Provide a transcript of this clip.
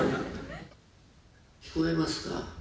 聞こえますか？